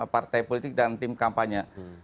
partai politik dan tim kampanye